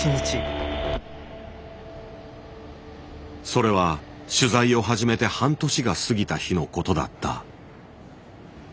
それは取材を始めて半年が過ぎた日のことだった。